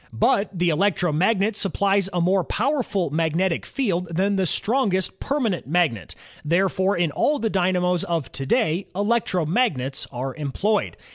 But the electromagnet supplies a more powerful magnetic field than the strongest permanent magnet; therefore in all the dynamos of to day, electromagnets are employed.